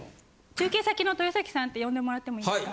「中継先の豊崎さん」って呼んでもらってもいいですか？